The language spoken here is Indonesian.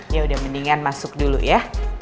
ya udah mendingan masuk dulu ya